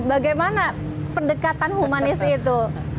bagaimana pendekatan humanis itu